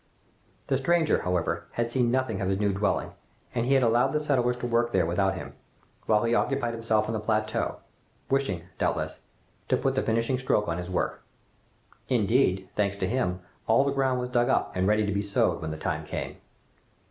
The stranger, however, had seen nothing of his new dwelling, and he had allowed the settlers to work there without him, while he occupied himself on the plateau, wishing, doubtless, to put the finishing stroke to his work. Indeed, thanks to him, all the ground was dug up and ready to be sowed when the time came.